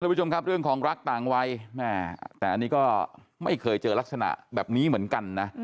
ผู้ชมครับเรื่องของรักต่างวัยแม่แต่อันนี้ก็ไม่เคยเจอลักษณะแบบนี้เหมือนกันนะ